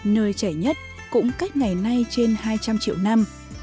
nơi trẻ nhất cũng cách ngày nay trên hai trăm linh triệu năm